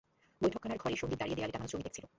বৈঠকখানার ঘরে সন্দীপ দাঁড়িয়ে দেয়ালে টাঙানো ছবি দেখছিল।